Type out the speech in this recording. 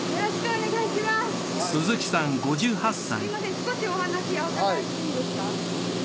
少しお話お伺いしていいですか？